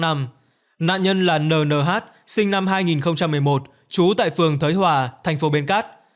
nạn nhân là n n h sinh năm hai nghìn một mươi một trú tại phường thới hòa tp bến cát